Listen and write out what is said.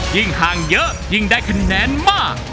ยิ่งห่างเยอะยิ่งได้คะแนนมาก